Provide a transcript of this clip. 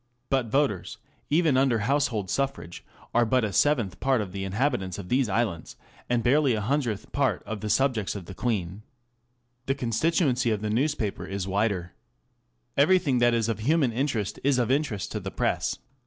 But voters, even under household suffrage, are but a seventh part of the inhabitants of these islands, and barely a hundredth part of the subjects of the Queen. The constituency of the news paper is wider. Everything that is of human interest is of interest to the Press.